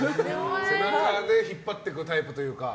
背中で引っ張っていくタイプというか。